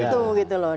itu gitu loh